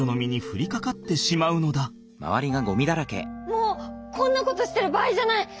もうこんなことしてる場合じゃない！